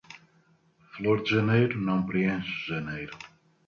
Flor de janeiro não preenche janeiro.